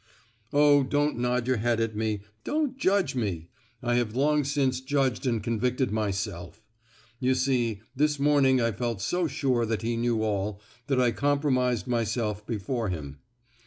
"Oh! don't nod your head at me, don't judge me! I have long since judged and convicted myself. You see, this morning I felt so sure that he knew all, that I compromised myself before him.